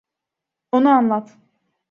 Ona anlat.